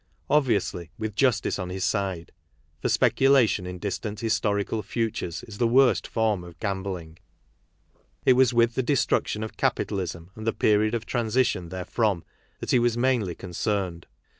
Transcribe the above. Obviously, with justice on his side ; for speculation in distant historical futures is the worst form of gambling. It was with the destruction of capitalism an^ the period of transition therefrom that he was mainly concerned.